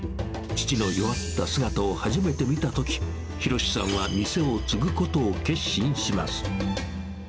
父の弱った姿を初めて見たとき、博さんは店を継ぐことを決心します。